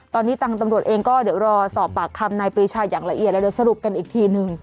ตอนนี้ทางตำรวจเองก็เดี๋ยวรอสอบปากคำนายปรีชาอย่างละเอียดแล้วเดี๋ยวสรุปกันอีกทีนึง